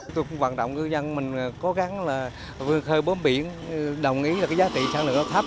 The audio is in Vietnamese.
tôi cũng hoạt động ngư dân mình cố gắng vươn khơi bóm biển đồng ý là giá trị sản lượng nó thấp